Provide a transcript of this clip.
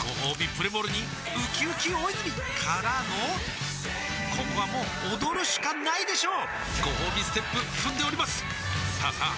プレモルにうきうき大泉からのここはもう踊るしかないでしょうごほうびステップ踏んでおりますさあさあ